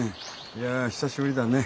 いや久しぶりだね。